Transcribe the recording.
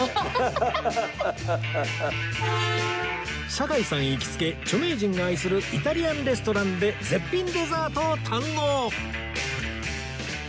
堺さん行きつけ著名人が愛するイタリアンレストランで絶品デザートを堪能！